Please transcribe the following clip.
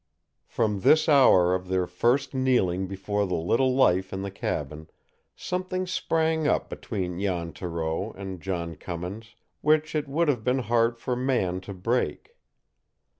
From this hour of their first kneeling before the little life in the cabin, something sprang up between Jan Thoreau and John Cummins which it would have been hard for man to break.